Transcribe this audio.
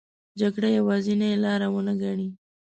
جګړه یوازینې لار ونه ګڼي.